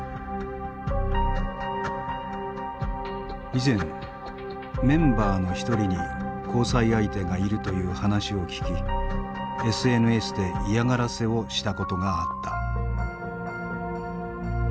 以前メンバーの一人に交際相手がいるという話を聞きＳＮＳで嫌がらせをしたことがあった。